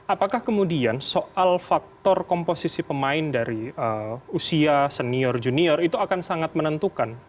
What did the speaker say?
apakah kemudian soal faktor komposisi pemain dari usia senior junior itu akan sangat menentukan